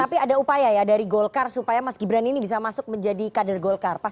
tapi ada upaya ya dari golkar supaya mas gibran ini bisa masuk menjadi kader golkar